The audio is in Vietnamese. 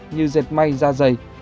như dệt may ra dày